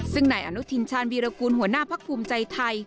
ซึ่งนายอนุทินชาญวีรกูลหัวหน้าพักภูมิใจไทย